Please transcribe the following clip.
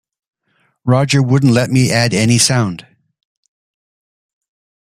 Roger wouldn't let me add any sound.